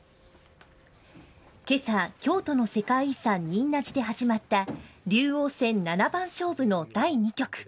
けさ、京都の世界遺産、仁和寺で始まった竜王戦七番勝負の第２局。